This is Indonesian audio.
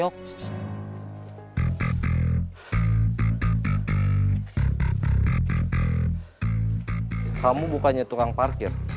kau bukannya tukang parkir